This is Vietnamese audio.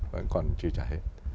vẫn còn chưa trả hết